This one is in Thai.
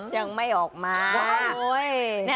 ยังไม่ออกมา